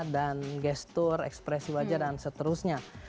dan gestur ekspresi wajah dan seterusnya